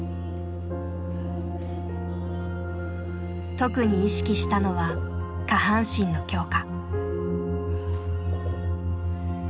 特に意識したのは下半身の強化。